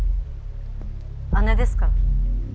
姉ですから。